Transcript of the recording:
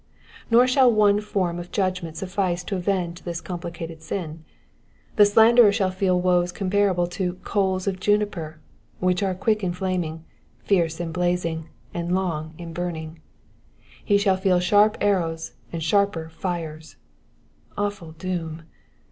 Nor shall one form of judgment suffice to avenge this complicated sm. The slanderer shall feel woes comparable to coals of junipei% which are quick in flaming, fierce in blazing, ana long in burning. He shall feel sharp arrows and sharper fires. Awful doom